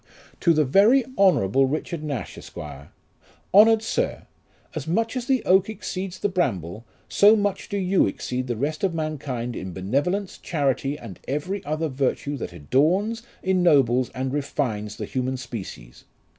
"To THE VEEY HoNOUEABLE RlCHAED NASH, ESQ. "HoNOTTEED SIE : As much as the oak exceeds the bramble, so much do you exceed the rest of mankind in benevolence, charity, and every other virtue that adorns, ennobles, and refines the human species.